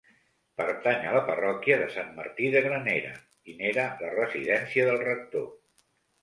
Pertany a la parròquia de Sant Martí de Granera, i n'era la residència del rector.